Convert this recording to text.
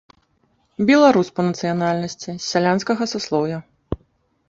Беларус па нацыянальнасці, з сялянскага саслоўя.